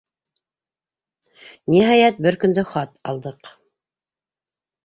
Ниһайәт, бер көндө хат алдыҡ.